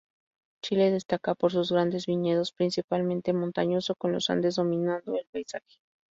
Chile destaca por sus grandes viñedos, principalmente montañoso, con los Andes dominando el paisaje.